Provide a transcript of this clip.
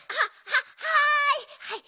ははい！